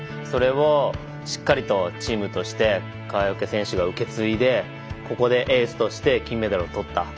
それをしっかりとチームとして川除選手が受け継いでここでエースとして金メダルを取った。